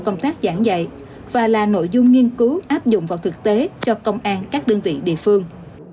công tác giảng dạy và là nội dung nghiên cứu áp dụng vào thực tế cho công an các đơn vị địa phương